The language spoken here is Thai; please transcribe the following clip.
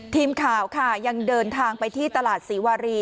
ทีมข่าวค่ะยังเดินทางไปที่ตลาดศรีวารี